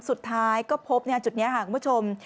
สุดท้ายก็พบจุดนี้ค่ะคุณผู้ชม